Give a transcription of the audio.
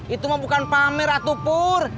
itu mah bukan pamer atuh pur